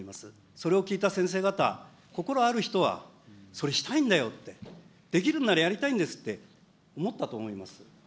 それを聞いた先生方、心ある人は、それ、したいんだよって、できるんならやりたいんですって思ったと思います。